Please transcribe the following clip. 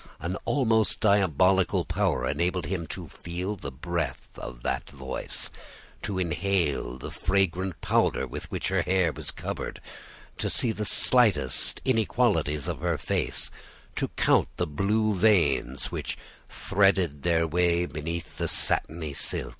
An almost diabolical power enabled him to feel the breath of that voice, to inhale the fragrant powder with which her hair was covered, to see the slightest inequalities of her face, to count the blue veins which threaded their way beneath the satiny skin.